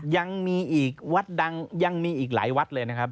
ยังมีอีกวัดดังยังมีอีกหลายวัดเลยนะครับ